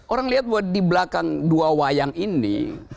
orang lihat di belakang dua wayang ini